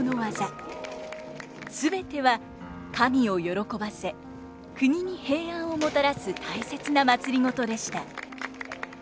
全ては神を喜ばせ国に平安をもたらす大切なまつりごとでした。